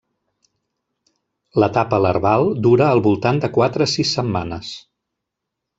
L'etapa larval dura al voltant de quatre a sis setmanes.